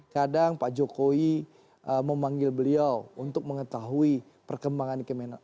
kadang pak jokowi memanggil beliau untuk mengetahui perkembangan